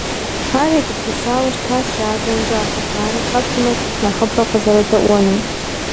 Ар егупсысауэ щытащ радиомкӏэ а хъыбарыр къэптмэ, цӏыху нэхъыбэ къызэродэӏуэнум.